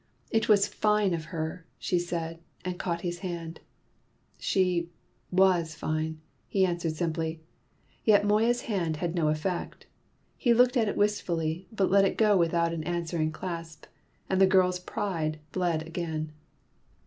"It was fine of her!" she said, and caught his hand. "She was fine," he answered simply. Yet Moya's hand had no effect. He looked at it wistfully, but let it go without an answering clasp. And the girl's pride bled again.